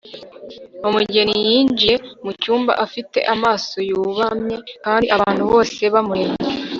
Umugeni yinjiye mucyumba afite amaso yubamye kandi abantu bose bamureba